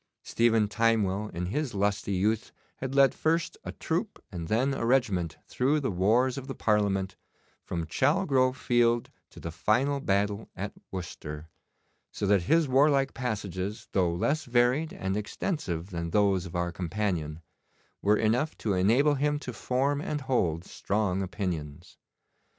Stephen Timewell in his lusty youth had led first a troop and then a regiment through the wars of the Parliament, from Chalgrove Field to the final battle at Worcester, so that his warlike passages, though less varied and extensive than those of our companion, were enough to enable him to form and hold strong opinions.